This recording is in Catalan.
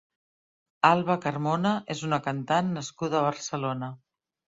Alba Carmona és una cantant nascuda a Barcelona.